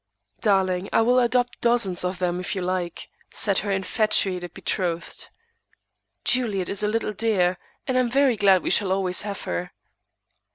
"Darling, I will adopt dozens of them, if you like," said her infatuated betrothed. "Juliet is a little dear, and I am very glad we shall always have her."